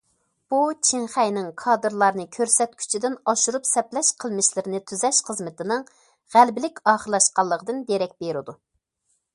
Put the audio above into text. بۇ، چىڭخەينىڭ كادىرلارنى كۆرسەتكۈچىدىن ئاشۇرۇپ سەپلەش قىلمىشلىرىنى تۈزەش خىزمىتىنىڭ غەلىبىلىك ئاخىرلاشقانلىقىدىن دېرەك بېرىدۇ.